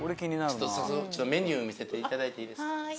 ちょっと早速メニュー見せていただいていいですか？